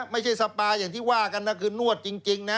สปาอย่างที่ว่ากันนะคือนวดจริงนะ